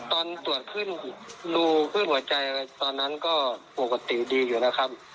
ตอนตรวจขึ้นรูขึ้นหัวใจตอนนั้นก็ปกติดีอยู่นะครับ